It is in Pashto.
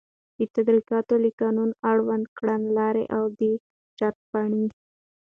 د تدارکاتو له قانون، اړوند کړنلاري او د شرطپاڼي